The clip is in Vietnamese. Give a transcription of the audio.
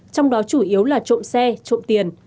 trong đó chủ yếu là trộm xe trộm tiền